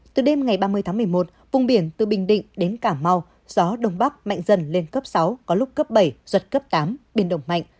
từ đêm ngày ba mươi tháng một mươi một vùng biển từ bình định đến cà mau gió đông bắc mạnh dần lên cấp sáu có lúc cấp bảy giật cấp tám biển động mạnh